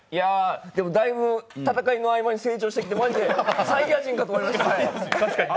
でも戦いの間に成長してきてサイヤ人かと思いました。